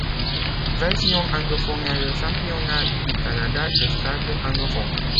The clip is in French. La version anglophone est le championnat du Canada de Scrabble anglophone.